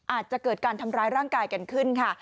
อาจจะเกิดการทำร้ายร่างกายกันขึ้นค่ะ